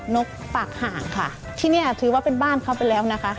นกปากห่างค่ะที่นี่ถือว่าเป็นบ้านเขาไปแล้วนะคะ